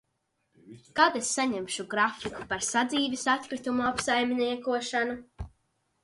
Kad es saņemšu grafiku par sadzīves atkritumu apsaimniekošanu?